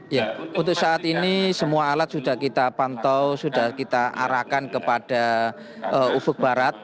ya untuk saat ini semua alat sudah kita pantau sudah kita arahkan kepada ufuk barat